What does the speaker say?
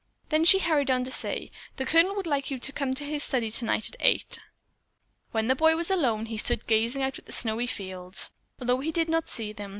Then she hurried on to say, "The Colonel would like you to come to his study tonight at eight." When the boy was alone, he stood gazing out at the snowy fields, although he did not see them.